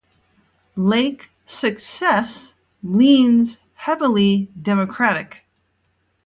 Lake Success leans heavily Democratic.